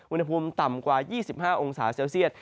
อุณหภูมิต่ำกว่า๒๕องศาเซลเซียต